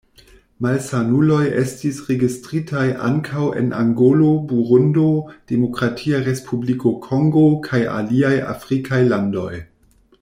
Malsanuloj estis registritaj ankaŭ en Angolo, Burundo, Demokratia Respubliko Kongo kaj aliaj afrikaj landoj.